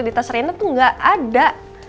di tas rina tuh gak ada